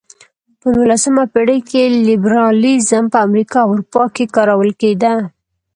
په نولسمه پېړۍ کې لېبرالیزم په امریکا او اروپا کې کارول کېده.